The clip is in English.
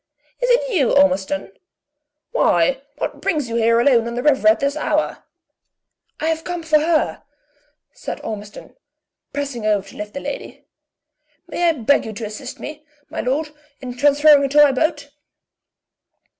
"Is it you, Ormiston? Why what brings you here alone on the river, at this hour?" "I have come for her," said Ormiston, pressing over to lift the lady. "May I beg you to assist me, my lord, in transferring her to my boat?"